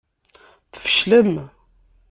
Tfeclem.